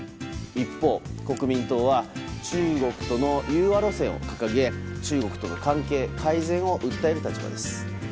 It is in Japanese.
一方、国民党は中国との融和路線を掲げ中国との関係改善を訴える立場です。